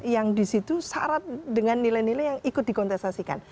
yang disitu syarat dengan nilai nilai yang ikut dikontestasikan